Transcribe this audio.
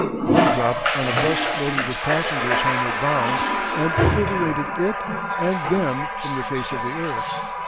One dropped on a 'bus loaded with passengers homeward bound, and obliterated it and them from the face of the earth.